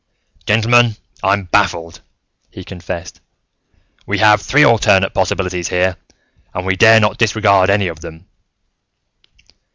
"Gentlemen, I am baffled," he confessed. "We have three alternate possibilities here and we dare not disregard any of them.